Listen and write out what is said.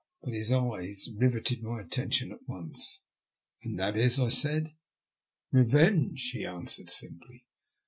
But his eyes rivetted my attention at once. " And that is ?" I said. Eevenge," he answered, simply.